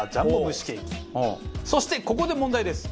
そしてここで問題です。